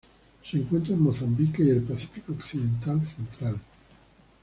Se encuentra en Mozambique y el Pacífico occidental central.